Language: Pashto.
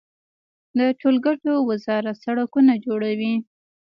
د ټولګټو وزارت سړکونه جوړوي